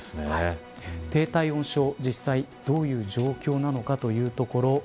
低体温症、実際どういう状況なのかというところ。